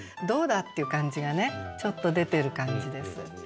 「どうだ！」っていう感じがねちょっと出てる感じです。